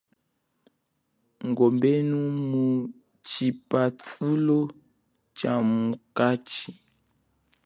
Kombenu mu chipathulo chamukachi.